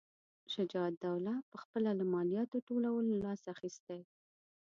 شجاع الدوله پخپله له مالیاتو ټولولو لاس اخیستی.